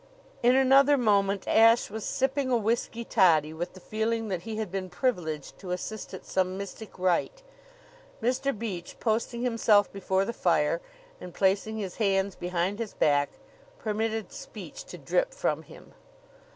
In another moment Ashe was sipping a whisky toddy, with the feeling that he had been privileged to assist at some mystic rite. Mr. Beach, posting himself before the fire and placing his hands behind his back, permitted speech to drip from him.